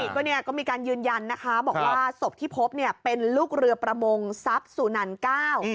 ใช่ก็มีการยืนยันนะคะบอกว่าสมที่พบเป็นลูกเรือประมงทรัพย์สุนันเก้า